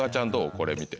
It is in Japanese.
これ見て。